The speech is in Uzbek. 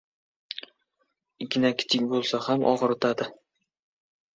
• Igna kichik bo‘lsa ham og‘ritadi.